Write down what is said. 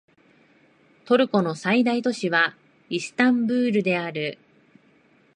トルコの最大都市はイスタンブールである